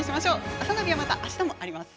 「あさナビ」はまたあしたもあります。